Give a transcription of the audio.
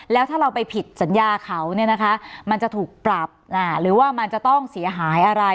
แล้วถ้าเราไปผิดสัญญาเขาเนี่ยนะคะมันจะถูกปรับหรือว่ามันจะต้องเสียหายอะไร